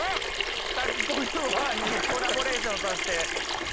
炊き込みご飯にコラボレーションさせて。